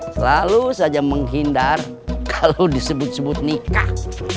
selalu saja menghindar kalau disebut sebut nikah